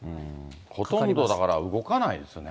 ほとんどだから動かないですよね。